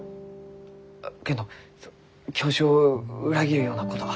けんど教授を裏切るようなことは。